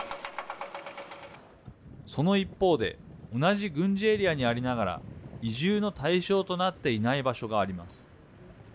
その一方で同じ軍事エリアにありながら移住の対象となっていない場所があります。